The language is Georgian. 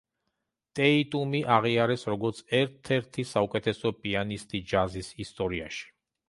ტეიტუმი აღიარეს, როგორც ერთ-ერთი საუკეთესო პიანისტი ჯაზის ისტორიაში.